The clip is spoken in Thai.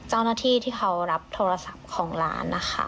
เจ้าหน้าที่ที่เขารับโทรศัพท์ของร้านนะคะ